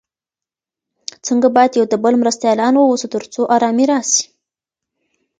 خلګ بايد يو د بل مرستيالان واوسي تر څو ارامي راسي.